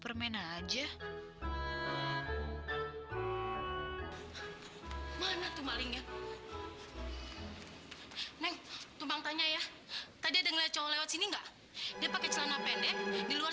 palingnya neng tumpang tanya ya tadi ada cowok sini enggak dia pakai celana pendek di luar